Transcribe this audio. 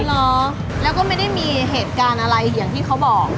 เหรอแล้วก็ไม่ได้มีเหตุการณ์อะไรอย่างที่เขาบอก